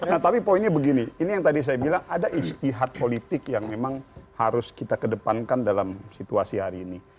nah tapi poinnya begini ini yang tadi saya bilang ada istihad politik yang memang harus kita kedepankan dalam situasi hari ini